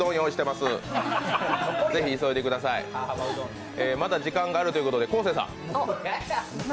まだ時間があるということで昴生さん。